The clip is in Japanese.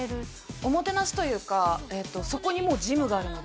おもてなしというかそこにもうジムがあるので。